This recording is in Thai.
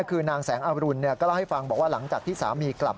คือนางแสงอรุณก็เล่าให้ฟังบอกว่าหลังจากที่สามีกลับ